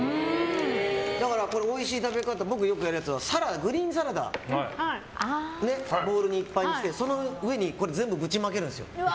だからおいしい食べ方僕がよくやるやつはグリーンサラダボウルにいっぱいにしてその上に、これを全部ぶちまけるんですよ。